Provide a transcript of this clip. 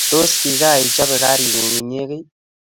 Tos, kigaichope karingung inyegei?